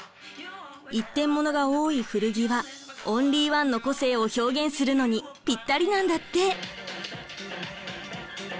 一点ものが多い古着はオンリーワンの個性を表現するのにぴったりなんだって。